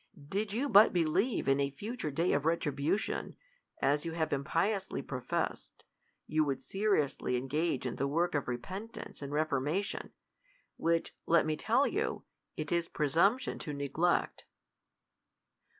Did you but believe in a future day of retribution, as you have impiously professed, you would seriously engage in the work of repentance and reformation : which, let me tell you, it is presumption to neglect.